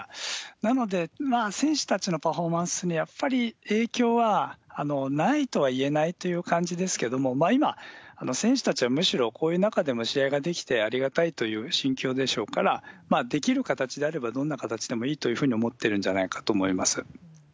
なので、選手たちのパフォーマンスには、やっぱり影響はないとはいえないという感じですけども、今、選手たちはむしろこういう中でも試合ができてありがたいという心境でしょうから、できる形であれば、どんな形でもいいというふうに思ってるんじゃないかと思います。